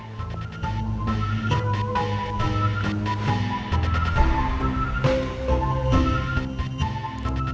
aku mau siap siap wudhu